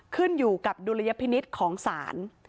ขึ้นอยู่กับดุลยพินิษฐ์ของศาล